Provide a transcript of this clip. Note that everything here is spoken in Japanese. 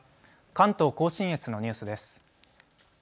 関東甲信越のニュースです。